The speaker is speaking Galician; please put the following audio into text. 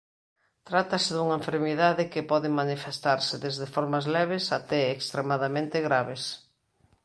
Trátase dunha enfermidade que pode manifestarse desde formas leves até extremadamente graves.